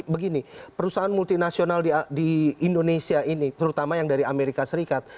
begini perusahaan multinasional di indonesia ini terutama yang dari amerika serikat